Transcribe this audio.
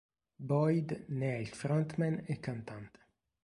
Boyd ne è il frontman e cantante.